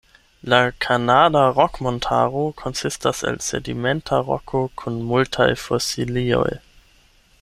La Kanada Rok-Montaro konsistas el sedimenta roko, kun multaj fosilioj.